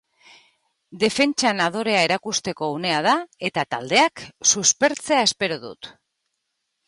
Defentsan adorea erakusteko unea da, eta taldeak suspertzea espero dut.